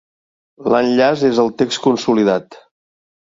L'enllaç és al text consolidat.